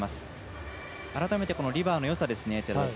改めて、リバーのよさですね。